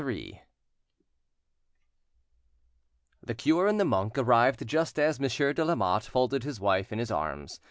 Here she is." The cure and the monk arrived just as Monsieur de Lamotte folded his wife in his arms.